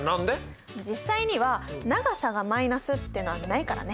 実際には長さがマイナスってのはないからね。